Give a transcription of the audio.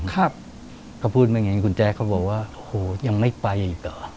เขาพูดไปไงคุณแจ๊คเขาบอกว่าโอ้ยยังไม่ไปอีกหรอ